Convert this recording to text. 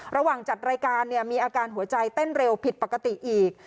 จัดรายการเนี่ยมีอาการหัวใจเต้นเร็วผิดปกติอีก